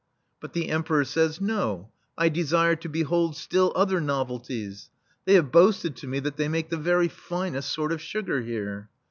but the Emperor says: "No, I desire to be hold still other novelties. They have boasted to me that they make the very finest sort of sugar here."